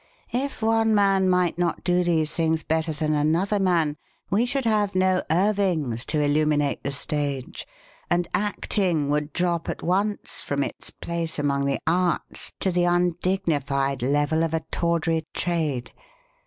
"If one man might not do these things better than another man, we should have no Irvings to illuminate the stage, and acting would drop at once from its place among the arts to the undignified level of a tawdry trade.